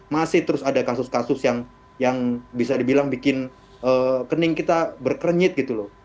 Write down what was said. masih terus ada kasus kasus yang bisa dibilang bikin kening kita berkernyit gitu loh